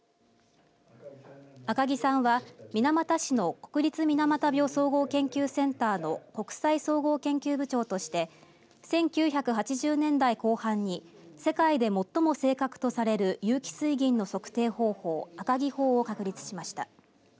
赤木さんは水俣市の国立水俣病総合研究センターの国際・総合研究部長として１９８０年代後半に世界で最も正確とされる有機水銀の測定方法赤木法を確立しました。